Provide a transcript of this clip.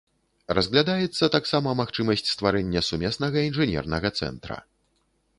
Разглядаецца таксама магчымасць стварэння сумеснага інжынернага цэнтра.